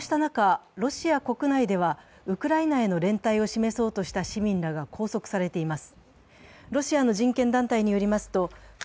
こうした中、ロシア国内ではウクライナへの連帯を示そうとした市民らが拘束されています。